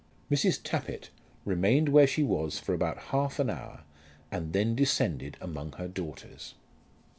Mrs. Tappitt remained where she was for about half an hour and then descended among her daughters.